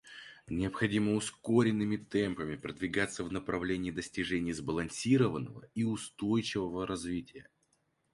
Необходимо ускоренными темпами продвигаться в направлении достижения сбалансированного и устойчивого развития.